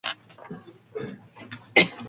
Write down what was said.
高野豆腐